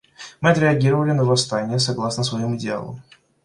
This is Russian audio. Мы отреагировали на восстания согласно своим идеалам.